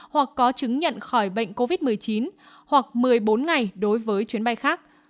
hoặc có chứng nhận khỏi bệnh covid một mươi chín hoặc một mươi bốn ngày đối với chuyến bay khác